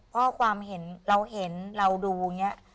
เพราะความเห็นเราเห็นเราดูเนี่ย